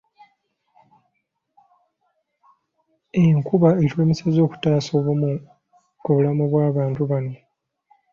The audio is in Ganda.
Enkuba etulemesezza okutaasa obumu ku bulamu bw'abantu bano .